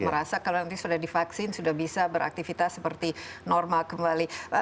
merasa kalau nanti sudah divaksin sudah bisa beraktivitas seperti normal kembali